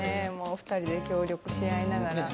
２人で協力し合いながら。